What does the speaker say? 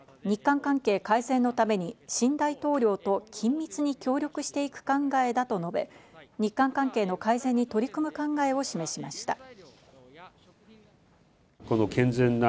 日韓関係改善のために新大統領と緊密に協力していく考えだと述べ、日韓関係の改善に取り組む考えを示しました。